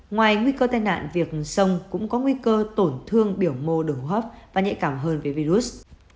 ngoài nguy cơ tai nạn việc sông cũng có nguy cơ tổn thương biểu mô đồng hốp và nhạy cảm hơn về virus